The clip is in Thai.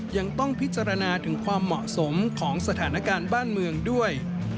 ยังต้องพิจารณาถึงความเหมาะสมของสถานการณ์บ้านเมืองด้วย